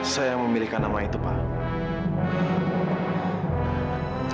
saya yang memilihkan nama itu pak